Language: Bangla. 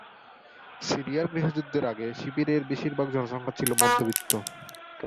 সিরিয়ার গৃহযুদ্ধের আগে, শিবিরের বেশিরভাগ জনসংখ্যা ছিল মধ্যবিত্ত।